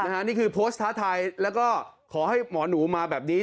นี่คือโพสต์ท้าทายแล้วก็ขอให้หมอหนูมาแบบนี้